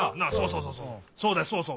そうそうそうそう。